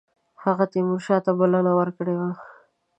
هغه تیمورشاه ته بلنه ورکړې وه.